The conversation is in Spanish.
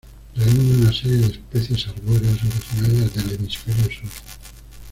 Reúne una serie de especies arbóreas originarias del Hemisferio sur.